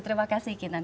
terima kasih kinan